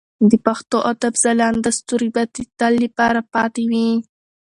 د پښتو ادب ځلانده ستوري به د تل لپاره پاتې وي.